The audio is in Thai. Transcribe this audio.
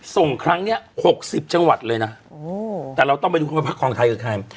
ส่งครั้งเนี้ยหกสิบจังหวัดเลยนะโอ้แต่เราต้องไปดูว่าพักครองไทยคือใคร